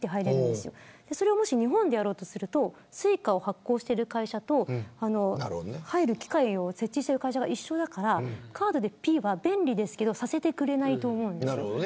もし、それを日本でやろうとするとＳｕｉｃａを発行している会社と入る機械を設置してる会社が一緒だからカードは便利ですけどさせてくれないと思うんです。